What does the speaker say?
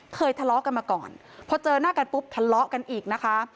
ทะเลาะกันมาก่อนพอเจอหน้ากันปุ๊บทะเลาะกันอีกนะคะ